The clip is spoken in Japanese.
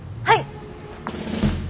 はい！